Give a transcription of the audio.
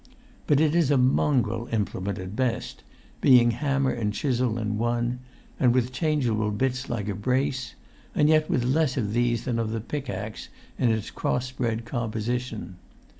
But it is a mongrel implement at best, being hammer and chisel in one, with changeable bits[Pg 139] like a brace, and yet with less of these than of the pickaxe in its cross bred composition.